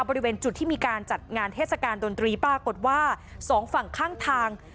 บริเวณจุดที่มีการจัดงานเทศกาลดนตรีปรากฏว่าสองฝั่งข้างทาง